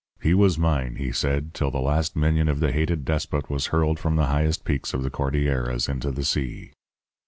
He was mine, he said, till the last minion of the hated despot was hurled from the highest peaks of the Cordilleras into the sea.